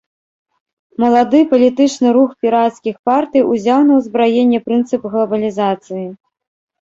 Малады палітычны рух пірацкіх партый узяў на ўзбраенне прынцып глабалізацыі.